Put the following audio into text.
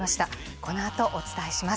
このあとお伝えします。